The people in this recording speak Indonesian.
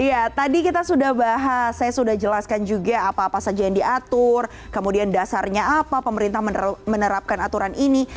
iya tadi kita sudah bahas saya sudah jelaskan juga apa apa saja yang diatur kemudian dasarnya apa pemerintah menerapkan aturan ini